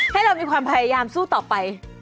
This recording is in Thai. ให้เรามีความพยายามสู้ต่อไป